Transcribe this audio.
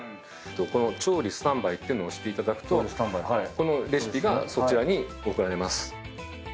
この調理スタンバイっていうのを押していただくとこのレシピがそちらに送られます。